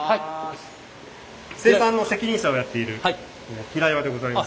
生産の責任者をやっている平岩でございます。